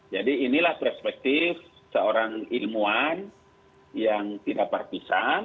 jadi inilah perspektif seorang ilmuwan yang tidak partisan